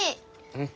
うん。